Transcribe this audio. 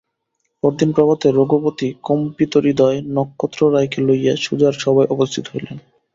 পরদিন প্রভাতে রঘুপতি কম্পিতহৃদয় নক্ষত্ররায়কে লইয়া সুজার সভায় উপস্থিত হইলেন।